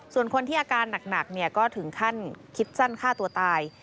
ส่วนคนที่อาการหนักก็ถึงขั้นคิดสั้นฆ่าตัวตาย